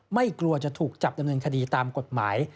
ไม่กลัวจะถูกจับดำเนินคดีตามกฎหมาย